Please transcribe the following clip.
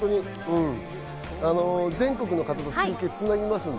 全国の方と中継をつなぎます